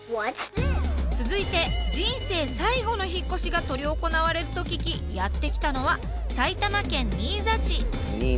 続いて人生最後の引っ越しが執り行われると聞きやって来たのは埼玉県新座市。